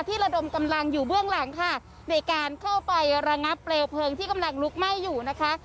ระดมกำลังอยู่เบื้องหลังค่ะในการเข้าไประงับเปลวเพลิงที่กำลังลุกไหม้อยู่นะคะ